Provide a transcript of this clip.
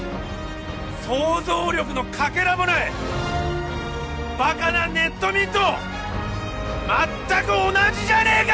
想像力のかけらもないバカなネット民と全く同じじゃねえか！